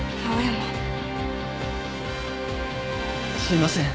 すいません。